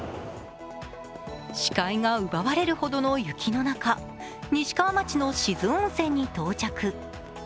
視界が奪われるほどの雪の中、西川町の志津温泉に到着。